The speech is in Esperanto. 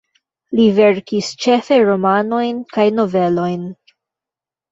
Li verkis ĉefe romanojn kaj novelojn.